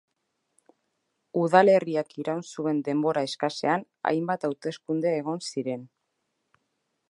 Udalerriak iraun zuen denbora eskasean hainbat hauteskunde egon ziren.